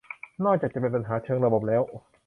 นอกจะเป็นปัญหาเชิงระบบแล้ว